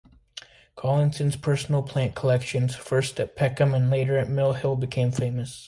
Collinson's personal plant collections, first at Peckham and later at Mill Hill became famous.